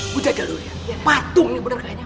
gua jaga dulu patung ini bener kayaknya